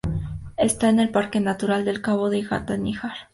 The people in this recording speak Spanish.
Está en el parque natural del Cabo de Gata-Níjar.